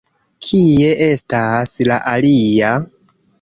Kie estas la alia?